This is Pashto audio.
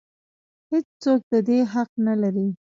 هېڅ څوک د دې حق نه لري.